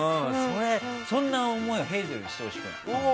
そんな思いをヘイゼルにしてほしくない。